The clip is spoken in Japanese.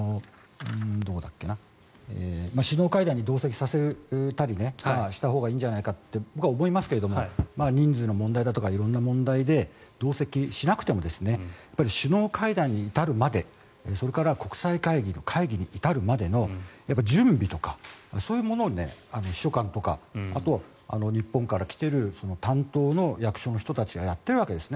首脳会談に同席させたりしたほうがいいんじゃないかって僕は思いますけれども人数の問題だとか色んな問題で同席しなくても首脳会談に至るまで、それから国際会議の会議に至るまでの準備とかそういうものを秘書官とか日本から来ている担当の役所の人たちがやってるわけですね。